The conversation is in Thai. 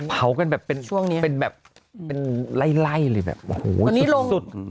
เผากันแบบเป็นไล่เลยแบบโอ้โหสุด